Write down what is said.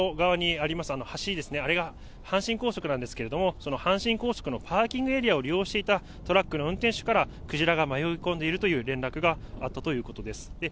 あの橋ですね、あれが阪神高速なんですけれども、その阪神高速のパーキングエリアを利用していたトラックの運転手から、クジラが迷い込んでいるという連絡があったということです。